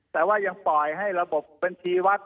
แต่ว่ายังปล่อยให้ระบบบัญชีวัด